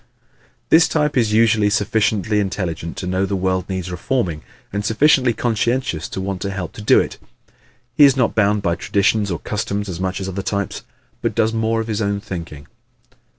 This type is usually sufficiently intelligent to know the world needs reforming and sufficiently conscientious to want to help to do it. He is not bound by traditions or customs as much as other types but does more of his own thinking.